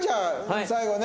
最後ね。